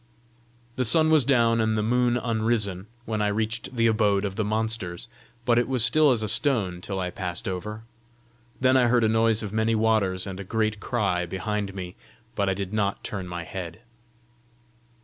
The sun was down, and the moon unrisen, when I reached the abode of the monsters, but it was still as a stone till I passed over. Then I heard a noise of many waters, and a great cry behind me, but I did not turn my head.